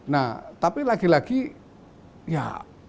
nah tapi lagi lagi ya